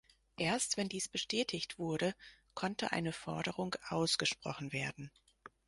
Erst wenn dies bestätigt wurde, konnte eine Forderung ausgesprochen werden.